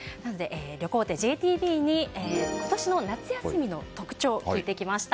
旅行大手ＪＴＢに今年の夏休みの特徴を聞いてきました。